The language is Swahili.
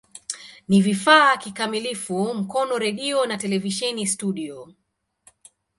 Ni vifaa kikamilifu Mkono redio na televisheni studio.